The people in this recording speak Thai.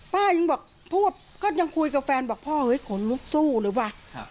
ป้ายังบอกพูดก็ยังคุยกับแฟนบอกพ่อเฮ้ยขนลุกสู้หรือเปล่า